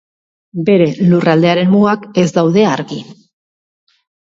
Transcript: Beren lurraldearen mugak ez daude argi.